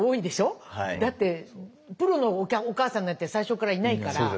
だってプロのお母さんなんて最初からいないから。